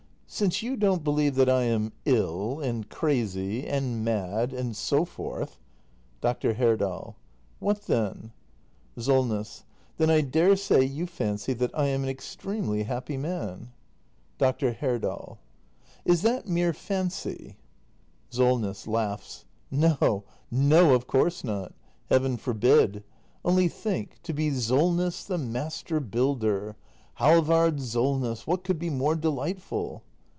Since you don't believe that I am — ill — and crazy — and mad, and so forth Dr. Herdal. What then ? SOLNESS. Then I daresay you fancy that I am an extremely happy man. 282 THE MASTER BUILDER [act i Dr. Herdal. Is that mere fancy ? SOLNESS. No, no — of course not! Heaven forbid! Only think — to be Solness the master builder! Halvard Solness! What could be more delightful?